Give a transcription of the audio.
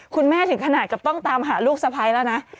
คุณแม่ถึงขนาดกับต้องตามหาลูกสะพัยแล้วนะ